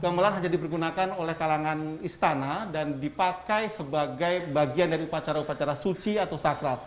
namun itu sudah pernah jadi bergunakan oleh kalangan istana dan dipakai sebagai bagian dari upacara upacara suci atau sakral